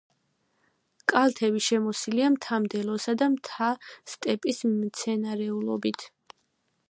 კალთები შემოსილია მთა-მდელოსა და მთა-სტეპის მცენარეულობით.